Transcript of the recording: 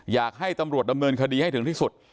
อยากให้ตำรวจดำเนินคดีให้ถึงที่สุด